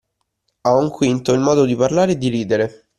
A un quinto il modo di parlare e di ridere;